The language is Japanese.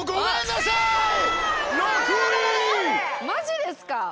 マジですか！